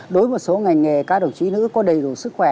đối với một số ngành nghề các đồng chí nữ có đầy đủ sức khỏe